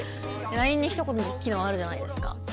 ＬＩＮＥにひと言って機能あるじゃないですか。